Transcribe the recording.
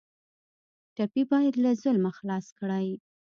ټپي باید له ظلمه خلاص کړئ.